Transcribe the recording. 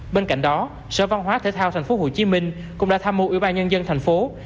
bên cạnh đó sở văn hóa thể thao tp hcm cũng đã tham mưu ủy ban nhân dân thành phố